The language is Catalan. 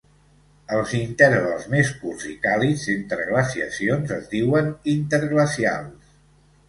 Els intervals més curts i càlids entre glaciacions es diuen interglacials.